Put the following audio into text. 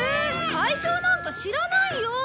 会場なんか知らないよ。